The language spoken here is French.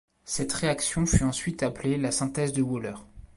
Cette réaction fut ensuite appelée la synthèse de Wöhler.